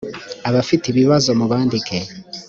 abafite ibibazo mubandike.